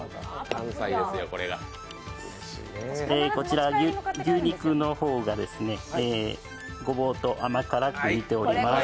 こちら牛肉の方が、ごぼうと甘辛く煮ております。